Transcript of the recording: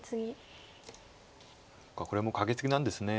これもカケツギなんですね。